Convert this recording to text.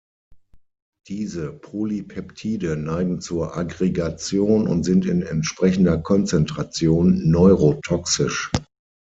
Diese Polypeptide neigen zur Aggregation und sind in entsprechender Konzentration neurotoxisch.